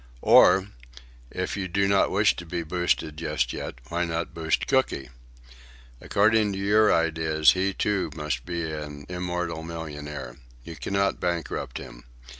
"Or, if you do not wish to be boosted just yet, why not boost Cooky? According to your ideas, he, too, must be an immortal millionaire. You cannot bankrupt him.